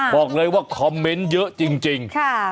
บอกเลยว่าคอมเมนต์เยอะจริง